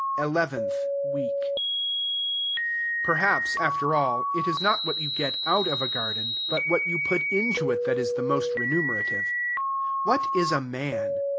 ELEVENTH WEEK Perhaps, after all, it is not what you get out of a garden, but what you put into it, that is the most remunerative. What is a man?